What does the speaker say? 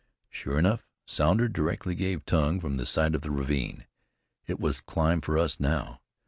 Sure enough, Sounder directly gave tongue from the side of the ravine. It was climb for us now.